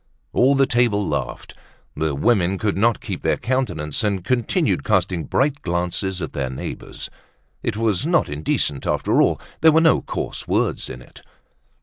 All the table laughed; the women could not keep their countenances, and continued casting bright glances at their neighbors; it was not indecent after all, there were no coarse words in it.